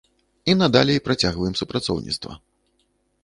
І надалей працягваем супрацоўніцтва.